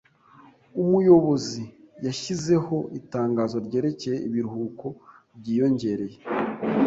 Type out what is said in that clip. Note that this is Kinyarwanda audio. Umuyobozi yashyizeho itangazo ryerekeye ibiruhuko byiyongereye.